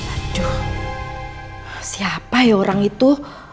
aduh siapa ya orang itu